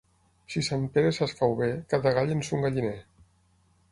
Si Sant Pere s'escau bé, cada gall en son galliner.